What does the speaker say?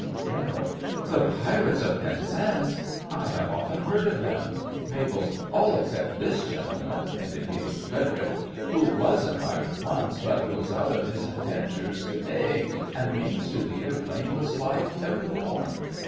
GENERAL: The Pirates of Penzance! I have often heard of them. MABEL: All except this gentleman (indicating FREDERIC), who was a pirate once, but who is out of his indentures to day, and who means to lead a blameless life evermore.